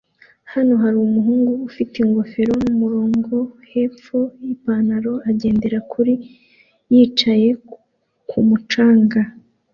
Hano harumuhungu ufite ingofero numurongo hepfo yipantaro agendera kuri yicaye kumu canga